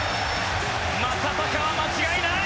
正尚は間違いない！